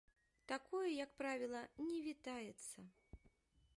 Такое, як правіла, не вітаецца.